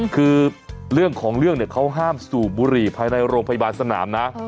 คือเรื่องของเรื่องเนี่ยเขาห้ามสูบบุหรี่ภายในโรงพยาบาลสนามนะ